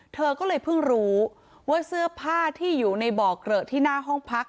เธอก็เลยเพิ่งรู้ว่าเสื้อผ้าที่อยู่ในบ่อเกลอะที่หน้าห้องพัก